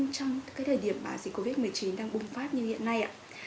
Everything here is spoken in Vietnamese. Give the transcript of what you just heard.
trong thời điểm dịch covid một mươi chín đang bùng phát như hiện nay ạ